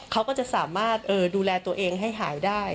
เขาก็จะสามารถดูแลตัวเองให้หายได้